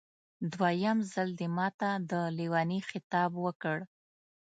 دویم ځل دې ماته د لېوني خطاب وکړ.